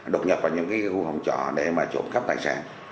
đột nhập vào những khu hồng trọ để mà trộm cắp tài sản